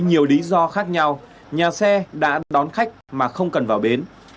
nhiều lý do khác nhau nhà xe đã đón khách mà không cần vào bến